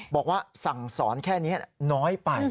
บอกว่าสั่งสอนแค่นี้น้อยไป